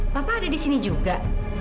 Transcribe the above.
papa ada disini juga